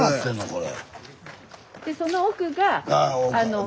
これ。